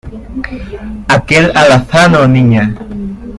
aquel alazano, Niña.